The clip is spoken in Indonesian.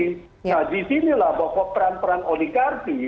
nah di sinilah bahwa peran peran oligarki